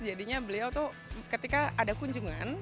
jadinya beliau tuh ketika ada kunjungan